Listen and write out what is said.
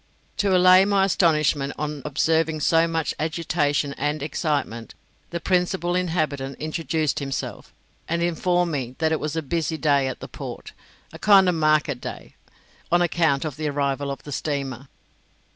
To allay my astonishment on observing so much agitation and excitement, the Principal Inhabitant introduced himself, and informed me that it was a busy day at the Port, a kind of market day, on account of the arrival of the steamer.